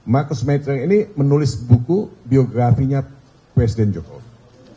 marcus mattern ini menulis buku biografinya presiden jokowi